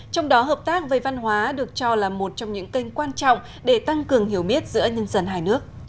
trong đó hợp tác với văn hóa được cho là một trong những kênh quan trọng để tăng cường hiểu biết giữa nhân dân hai nước